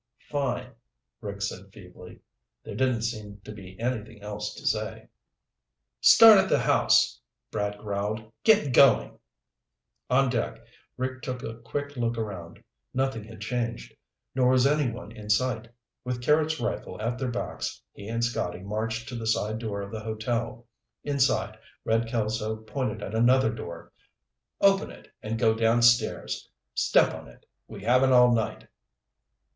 "Fine," Rick said feebly. There didn't seem to be anything else to say. "Start at the house," Brad growled. "Get goin'." On deck, Rick took a quick look around. Nothing had changed, nor was anyone in sight. With Carrots' rifle at their backs, he and Scotty marched to the side door of the hotel. Inside Red Kelso pointed at another door. "Open it and go downstairs. Step on it, we haven't all night."